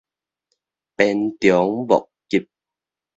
鞭長莫及